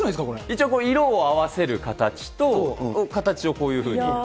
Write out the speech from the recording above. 一応、これ色を合わせる形と、形をこういうふうに。